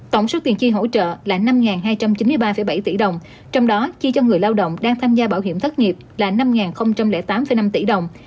tổng số tiền chi hỗ trợ là năm hai trăm chín mươi ba bảy tỷ đồng trong đó chi cho người lao động đang tham gia bảo hiểm thất nghiệp là năm tám năm tỷ đồng